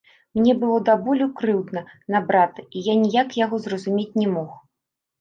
Мне было да болю крыўдна на брата, і я ніяк яго зразумець не мог.